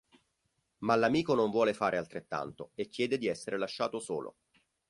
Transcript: Ma l'amico non vuole fare altrettanto e chiede di essere lasciato solo.